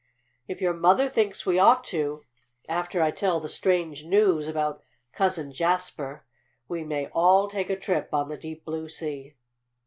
"If your mother thinks we ought to, after I tell the strange news about Cousin Jasper, we may all take a trip on the deep blue sea."